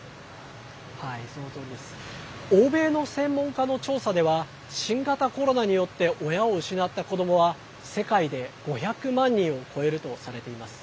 欧米の専門家の調査では新型コロナによって親を失った子どもは、世界で５００万人を超えるとされています。